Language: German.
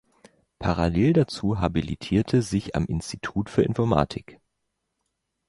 Parallel dazu habilitierte sich am Institut für Informatik.